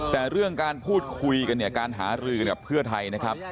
แต่เรื่องการพูดคุยกันเนี่ยการหารือกันกับเพื่อไทยนะครับ